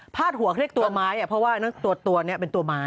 หัวเขาเรียกตัวไม้เพราะว่าตัวนี้เป็นตัวไม้